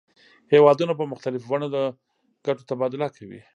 هیوادونه په مختلفو بڼو د ګټو تبادله کوي